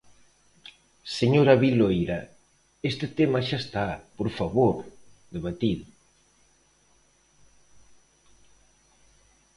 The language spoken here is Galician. Señora Viloira, este tema xa está, por favor, debatido.